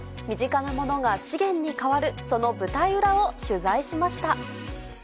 身近なものが資源に変わる、その舞台裏を取材しました。